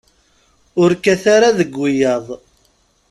Ur kkat ara deg wiyaḍ.